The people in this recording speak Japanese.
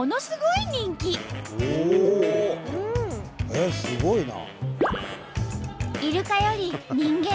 えっすごいな！